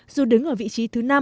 dù đứng ở vị trí thứ năm